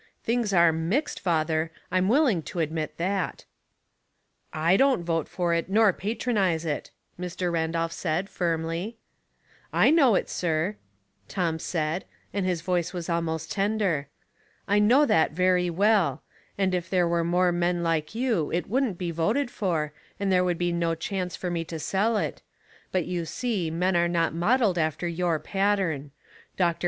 Things are mixed, father , I'm will ing to admit that." "J don't vote for it, nor patronize it," Mr. Randolph said, firmly. " I know it, sir," Tom said, and his voice was Light without Logic, 117 almost tender. " I know that very well ; and if there were more men like you it wouldn't be voted for, and there would be no chance for me to sell it ; but you see men are not modeled after your pattern. Dr.